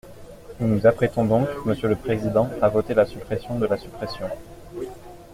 Nous nous apprêtons donc, monsieur le président, à voter la suppression de la suppression.